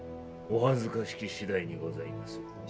お恥ずかしき次第にございまする。